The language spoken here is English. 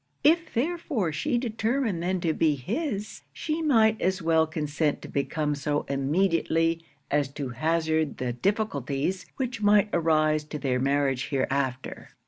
If therefore she determined then to be his, she might as well consent to become so immediately as to hazard the difficulties which might arise to their marriage hereafter.